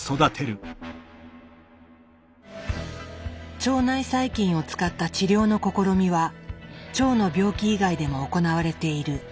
腸内細菌を使った治療の試みは腸の病気以外でも行われている。